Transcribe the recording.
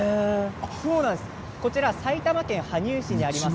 こちら埼玉県羽生市にあります